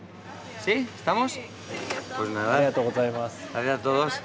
ありがとうございます。